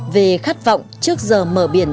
về khát vọng trước giờ mở biển